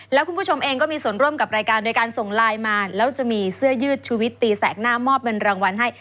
แล้วคุณผู้ชมเองก็มีส่วนร่วมกับรายการโดยการส่งไลน์มาแล้วจะมีเสื้อยืดชุวิตตีแสกหน้ามอบเป็นรางวัลให้